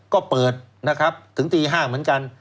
ก็เปิดนะครับถึงตี๕เหมือนกัน